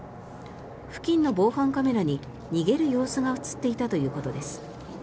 付近の防犯カメラに逃げる様子が映っていたということです。